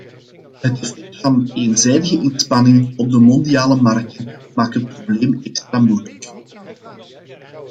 Het effect van eenzijdige inspanningen op de mondiale markten maakt het probleem extra moeilijk.